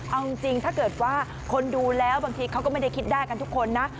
เอาจริงถ้าเกิดว่าคนดูแล้วบางทีเขาก็ไม่ได้คิดได้กันทุกคนนะ